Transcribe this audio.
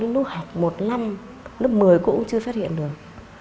sau đến lúc học một năm lớp một mươi cô cũng chưa phát hiện được